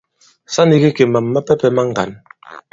Sa nīgī kì màm mapɛ̄pɛ̄ ma ŋgǎn.